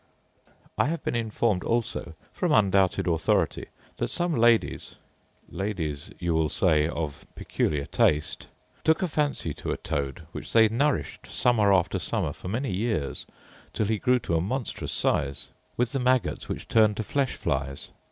I have been informed also, from undoubted authority, that some ladies (ladies you will say of peculiar taste) took a fancy to a toad, which they nourished summer after summer, for many years, till he grew to a monstrous size, with the maggots which turn to flesh flies.